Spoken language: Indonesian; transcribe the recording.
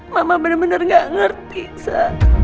mama benar benar gak ngerti sa